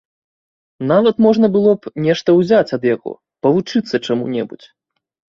Нават можна было б нешта ўзяць ад яго, павучыцца чаму-небудзь.